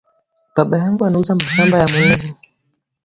Baba yangu anauza mashamba ya munene